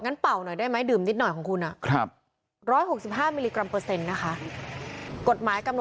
งั้นเป่าหน่อยได้ไหมดื่มนิดหน่อยของคุณอะ